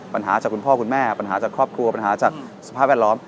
ปัญหาจากคุณพ่อคุณแม่ปัญหาจากครอบครัวปัญหาจากสภาพแวดล้อม